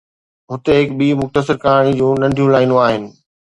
هتي هڪ ٻي مختصر ڪهاڻي جون ننڍيون لائينون آهن